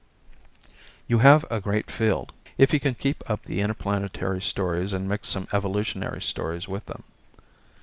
You have a great field, if you can keep up the interplanetary stories and mix some evolutionary stories with them.